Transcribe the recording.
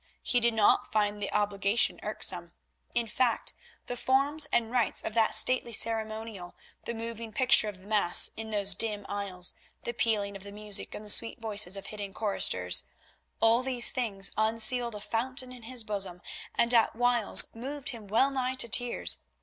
He did not find the obligation irksome. In fact, the forms and rites of that stately ceremonial, the moving picture of the Mass in those dim aisles, the pealing of the music and the sweet voices of hidden choristers—all these things unsealed a fountain in his bosom and at whiles moved him well nigh to tears.